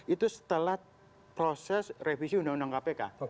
itu setelah proses revisi undang undang kpk